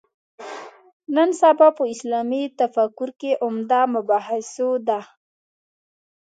نن سبا په اسلامي تفکر کې عمده مباحثو ده.